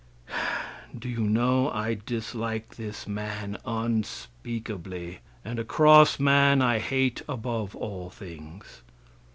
Do you know I dislike this man unspeakably; and a cross man I hate above all things.